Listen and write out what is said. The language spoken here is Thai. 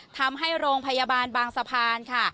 ทำให้โรงพยาบาลบางสะพานค่ะ